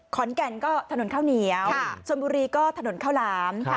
ขอนแก่นก็ถนนข้าวเหนียวชนบุรีก็ถนนข้าวหลาม